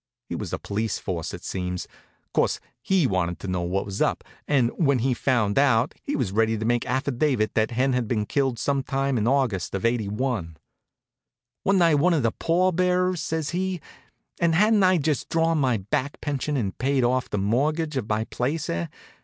He was the police force, it seems. Course, he wanted to know what was up, and when he found out he was ready to make affidavit that Hen had been killed some time in August of '81. "Wa'n't I one of the pall bearers?" says he. "And hadn't I just drawn my back pension and paid off the mortgage on my place, eh?